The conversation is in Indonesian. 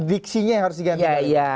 diksinya yang harus diganti iya iya